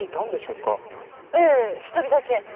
ええ一人だけ。